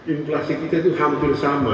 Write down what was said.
inflasi kita itu hampir sama